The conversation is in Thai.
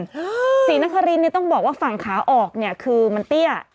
ใช่ศรีนครินเนี่ยต้องบอกว่าฝั่งขาออกเนี่ยคือมันเตี้ย